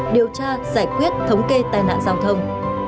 điều tra giải quyết thống kê tai nạn giao thông